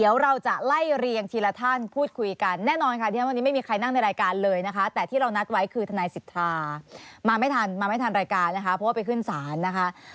เดี๋ยวเราจะไล่เรียงทีละท่านพูดคุยกันแน่นอนค่ะที่ฉันวันนี้ไม่มีใครนั่งในรายการเลยนะคะแต่ที่เรานัดไว้คือทนายสิทธามาไม่ทันมาไม่ทันรายการนะคะเพราะว่าไปขึ้นศาลนะคะ